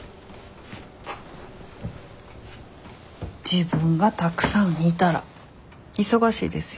自分がたくさんいたら忙しいですよ。